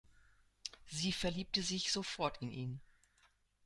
Sie verliebte sich sofort in ihn.